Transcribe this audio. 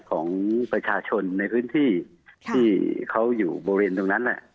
ของประชาชนในพื้นที่ที่เขาอยู่บริเวณตรงนั้น